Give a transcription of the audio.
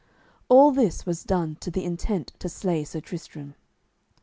All this was done to the intent to slay Sir Tristram.